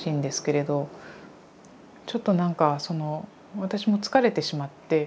ちょっとなんかその私も疲れてしまって。